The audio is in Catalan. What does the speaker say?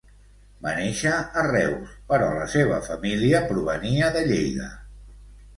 Va néixer a Reus, però la seva família provenia de Lleida.